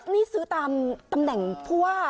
นี่ซื้อตามตำแหน่งผู้ว่า